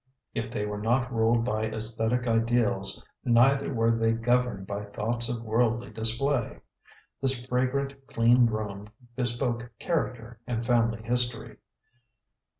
If they were not ruled by aesthetic ideals, neither were they governed by thoughts of worldly display. This fragrant, clean room bespoke character and family history.